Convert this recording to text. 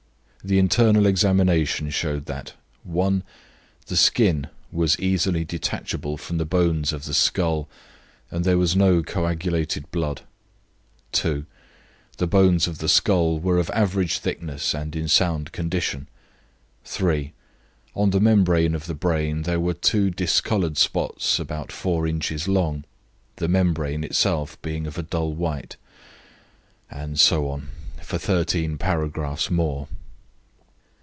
The internal examination showed that: "1. The skin was easily detachable from the bones of the skull, and there was no coagulated blood. "2. The bones of the skull were of average thickness and in sound condition. "3. On the membrane of the brain there were two discoloured spots about four inches long, the membrane itself being of a dull white." And so on for 13 paragraphs more.